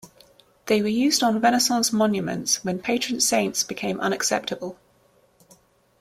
They were used on renaissance monuments when patron saints became unacceptable.